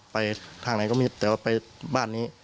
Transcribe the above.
ไปทางไหนก็มีแต่ว่าไปบ้านนี้